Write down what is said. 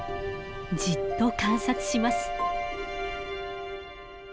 じっと観察します。